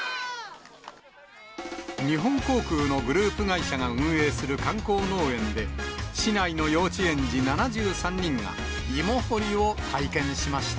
日本航空のグループ会社が運営する観光農園で、市内の幼稚園児７３人が芋掘りを体験しました。